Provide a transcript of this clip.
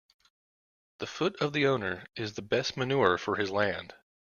The foot of the owner is the best manure for his land.